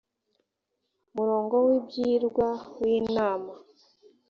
murongo w ibyigwa w inama